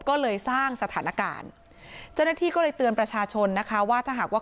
ก็เลยสร้างสถานการณ์เจ้าหน้าที่ก็เลยเตือนประชาชนนะคะว่าถ้าหากว่า